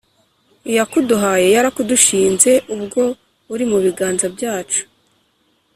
Iyakuduhaye yarakudushinze ubwo uri mu biganza byacu